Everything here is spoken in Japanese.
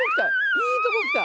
いいとこきた！